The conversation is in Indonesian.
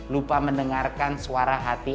lupa mendengarkan suara hati